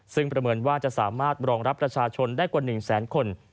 ซึ่งประเมินว่าจะสามารถรองรับประชาชนได้กว่า๑แสนคน